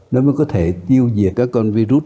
đó mới có thể tiêu diệt các con virus